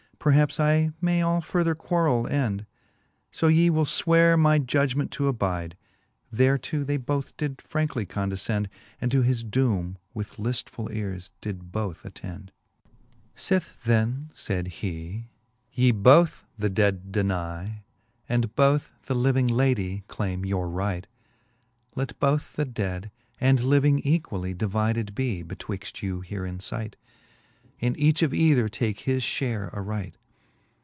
Perhaps I may all further quarrell end, So ye will fweare my judgment to abide. Thereto they both did franckly condifcend. And to his doome with liftfuU eares did both attend. XXVL Sith 14 ^he fifth Booke of Canto I, XXVI. Sith then, fayd he, ye both the dead deny, And both the Jiving lady claime your right, Let both the dead and the living equally Divided be betwixt you here in fight. And each of either take his fhare aright.